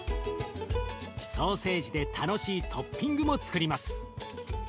ソーセージで楽しいトッピングもつくります。